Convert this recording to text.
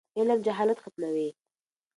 علم جهالت ختموي.